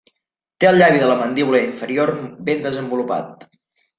Té el llavi de la mandíbula inferior ben desenvolupat.